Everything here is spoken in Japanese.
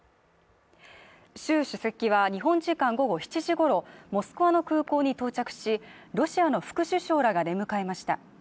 習主席は日本時間午後７時ごろモスクワの空港に到着し、ロシアの副首相らが出迎えました。